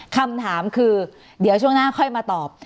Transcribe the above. คำถามคือเดี๋ยวช่วงหน้าค่อยมาตอบ